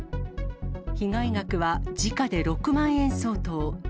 被害額は時価で６万円相当。